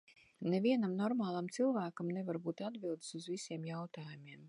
Nevienam normālam cilvēkam nevar būt atbildes uz visiem jautājumiem.